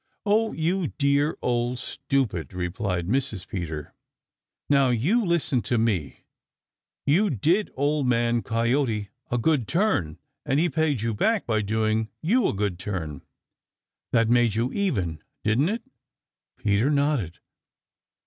"Oh, you dear old stupid!" replied little Mrs. Peter. "Now, you listen to me. You did Old Man Coyote a good turn and he paid you back by doing you a good turn. That made you even, didn't it?" Peter nodded.